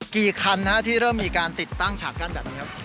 กี่คันที่เริ่มมีการติดตั้งฉากกั้นแบบนี้ครับ